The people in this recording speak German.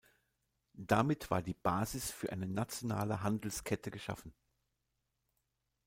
Damit war die Basis für eine nationale Handelskette geschaffen.